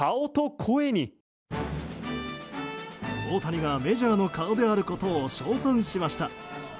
大谷がメジャーの顔であることを称賛しました。